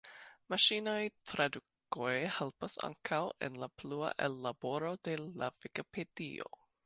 Maŝinaj tradukoj helpas ankaŭ en la plua ellaboro de la Vikipedio.